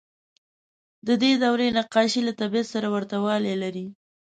د دې دورې نقاشۍ له طبیعت سره ورته والی لري.